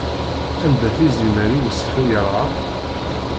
anda-t izimer i wesfel yerɣan?